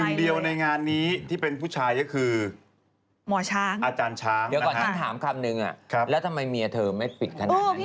หนึ่งเดียวในงานนี้ที่เป็นผู้ชายก็คือหมอช้างอาจารย์ช้างเดี๋ยวก่อนฉันถามคำนึงแล้วทำไมเมียเธอไม่ปิดขนาดนี้